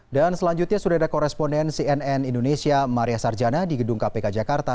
dan selanjutnya sudah ada koresponen cnn indonesia maria sarjana di gedung kpk jakarta